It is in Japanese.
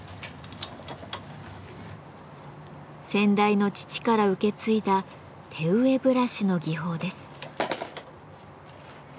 先代の父から受け継いだ「手植えブラシ」の技法です。